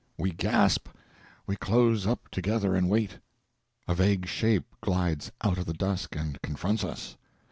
We gasp, we close up together, and wait. A vague shape glides out of the dusk and confronts us.